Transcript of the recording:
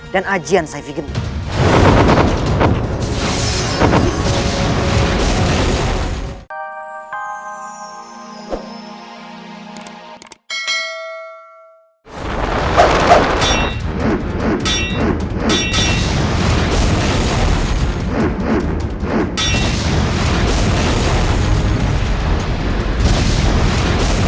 dan ajian saifi genting